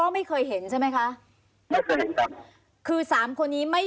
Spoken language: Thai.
ไม่เคยครับผม